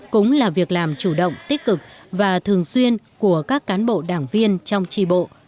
cũng là việc làm chủ động tích cực và thường xuyên của các cán bộ đảng viên trong tri bộ